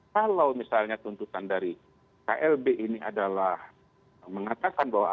kalau misalnya tuntutan dari klb ini adalah mengatakan bahwa